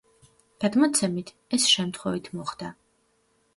გადმოცემით, ეს შემთხვევით მოხდა.